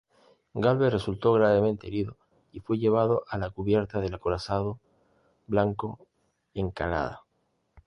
Gálvez resultó gravemente herido y fue llevado a la cubierta del acorazado "Blanco Encalada".